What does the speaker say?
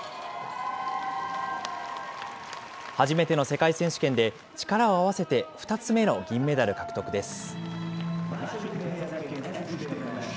初めての世界選手権で、力を合わせて２つ目の銀メダル獲得です。